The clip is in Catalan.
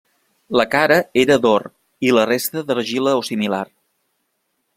La cara era d'or i la resta d'argila o similar.